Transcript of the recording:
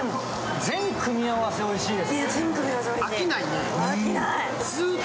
全組み合わせおいしいです。